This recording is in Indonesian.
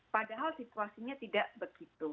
padahal situasinya tidak begitu